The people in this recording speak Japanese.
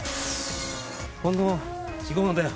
ほんの４５本だよ。